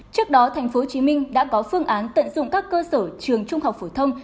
trước đó tp hcm đã có phương án tận dụng các cơ sở trường trung học phổ thông